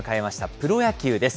プロ野球です。